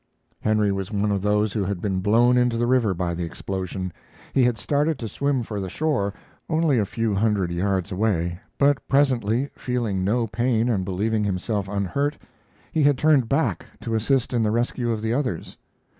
Henry was one of those who had been blown into the river by the explosion. He had started to swim for the shore, only a few hundred yards away, but presently, feeling no pain and believing himself unhurt, he had turned back to assist in the rescue of the others.